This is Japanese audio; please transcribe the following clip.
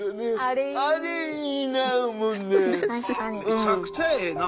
むちゃくちゃええな。